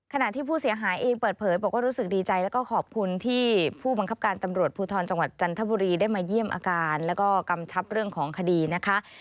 ขณะที่ผู้เสียหายเองเปิดเผยบอกว่ารู้สึกดีใจแล้วก็ขอบคุณที่ผู้บังคับการตำรวจภูทรจังหวัดจันทบุรีได้มาเยี่ยมอาการแล้วก็กำชับเรื่องของคดีนะคะ